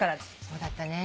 そうだったね。